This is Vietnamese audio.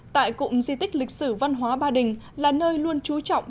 tại cụm di tích lịch sử văn hóa ba đình là nơi luôn trú trọng